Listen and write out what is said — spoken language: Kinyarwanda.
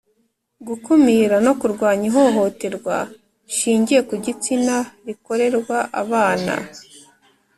Gukumira no kurwanya ihohoterwa rishingiye ku gitsina rikorerwa abana